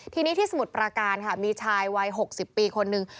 ทีนี้ที่สมุทรประการค่ะมีชายวัย๖๐ปีคนนึง